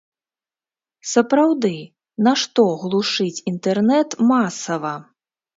Сапраўды, нашто глушыць інтэрнэт масава?